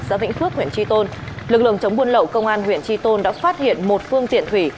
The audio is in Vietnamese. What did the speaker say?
xã vĩnh phước huyện tri tôn lực lượng chống buôn lậu công an huyện tri tôn đã phát hiện một phương tiện thủy